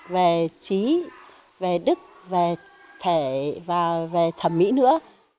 về trí về đức về thể và về thẩm mỹ nữa